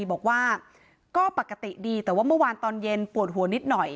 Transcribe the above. บอกว่าก็ปกติดีแต่ว่าเมื่อวานตอนเย็นปวดหัวนิดหน่อย